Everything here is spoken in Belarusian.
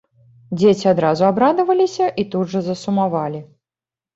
Дзеці адразу абрадаваліся і тут жа засумавалі.